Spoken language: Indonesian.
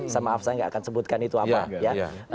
saya maaf saya nggak akan sebutkan itu apa ya